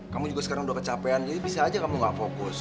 kamu juga sekarang udah kecapean jadi bisa aja kamu gak fokus